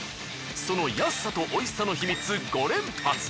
その安さと美味しさの秘密５連発！